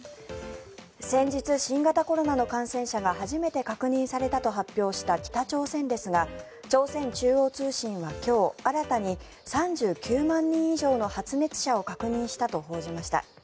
先日、新型コロナの感染者が初めて確認されたと発表した北朝鮮ですが朝鮮中央通信は今日新たに３９万人以上の発熱者を確認したと報じました。